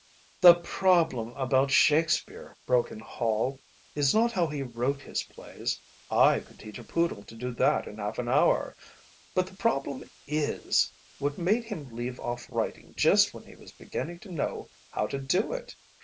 "The problem about Shakespeare," broke in Hall, "is not how he wrote his plays. I could teach a poodle to do that in half an hour. But the problem is What made him leave off writing just when he was beginning to know how to do it?